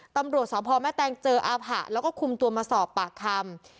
ตำรวจสพแม่แตงเจออาผะแล้วก็คุมตัวมาสอบปากคำ